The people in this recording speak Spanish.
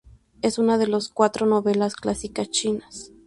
Es una de las cuatro novelas clásicas chinas.